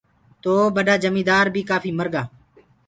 تو ٻڏآ جميٚندآر بي ڪآڦي مرگا۔